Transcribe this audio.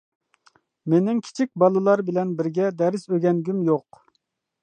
مېنىڭ كىچىك بالىلار بىلەن بىرگە دەرس ئۆگەنگۈم يوق.